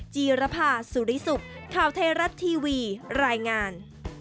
จีรภาสุริสุปค่าวเทรัตต์ทีวีรายงาน